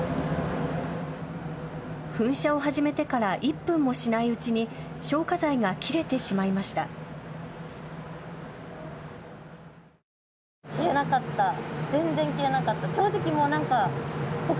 噴射を始めてから１分もしないうちに消火剤が切れてしまいました。